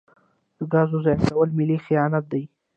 د ګازو ضایع کول ملي خیانت دی.